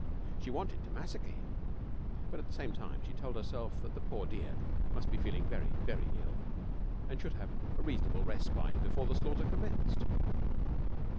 She wanted to massacre him, but at the same time she told herself that the poor dear must be feeling very, very ill, and should have a reasonable respite before the slaughter commenced.